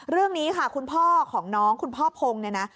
เรื่องนี้ค่ะคุณพ่อของน้องคุณพ่อโพง